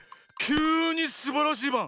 きゅうにすばらしいバン！